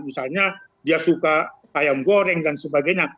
misalnya dia suka ayam goreng dan sebagainya